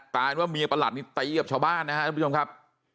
กลายเป็นว่าเมียประหลักนี้ตายีกับชาวบ้านนะฮะท่านผู้ชมครับ